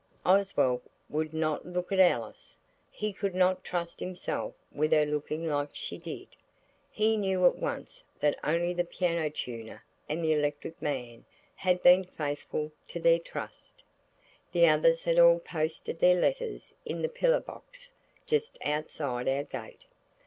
Oswald would not look at Alice. He could not trust himself with her looking like she did. He knew at once that only the piano tuner and the electric man had been faithful to their trust. The others had all posted their letters in the pillar box just outside our gate.